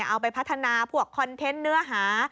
เอาไปพัฒนาพวกคอนเทนต์เนื้อหา